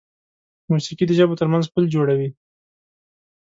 موسیقي د ژبو تر منځ پل جوړوي.